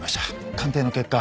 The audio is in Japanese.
鑑定の結果